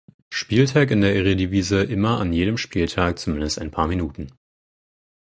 Spieltag in der Eredivisie immer an jedem Spieltag zumindest ein paar Minuten.